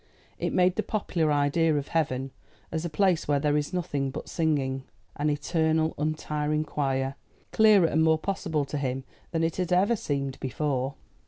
It made the popular idea of heaven, as a place where there is nothing but singing an eternal, untiring choir clearer and more possible to him than it had ever seemed before.